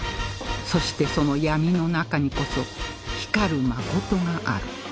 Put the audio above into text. そしてその闇の中にこそ光る真がある